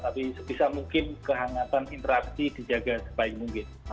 tapi sebisa mungkin kehangatan interaksi dijaga sebaik mungkin